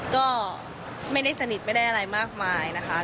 ก็ไม่ได้สนิทไม่ได้อะไรมากมายนะคะ